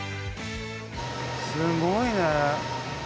すごいね。